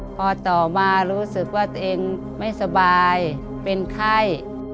พอต่อมารู้สึกว่าตัวเองไม่สบายเป็นไข้